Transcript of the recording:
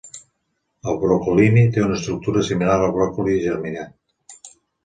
El brocolini té una estructura similar al bròcoli germinat.